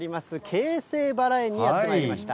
京成バラ園にやってまいりました。